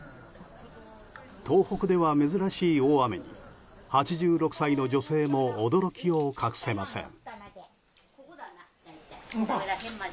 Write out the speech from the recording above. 東北では珍しい大雨に８６歳の女性も驚きを隠せません。